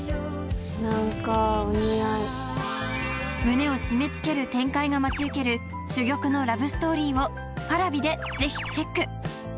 何かお似合い胸を締めつける展開が待ち受ける珠玉のラブストーリーをＰａｒａｖｉでぜひチェック！